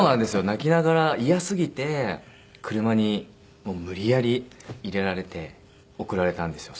泣きながらイヤすぎて車に無理やり入れられて送られたんですよ。